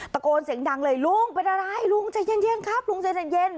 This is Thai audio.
ตะโกนเสียงดังเลยลุงเป็นอะไรลุงใจเย็นครับลุงใจเย็น